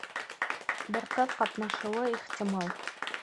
Бер ҡыҙ ҡатнашыуы ихтимал.